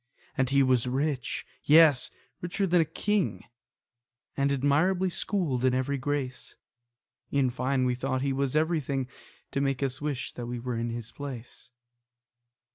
And he was rich, yes, richer than a king, And admirably schooled in every grace: In fine, we thought that he was everything To make us wish that we were in his place.